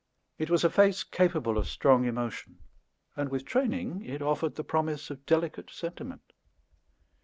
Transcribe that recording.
It was a face capable of strong emotion, and, with training, it offered the promise of delicate sentiment.